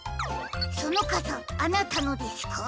そのかさあなたのですか？